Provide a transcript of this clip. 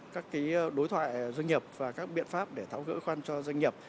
các đối thoại doanh nhập và các biện pháp để tháo gỡ khoan cho doanh nhập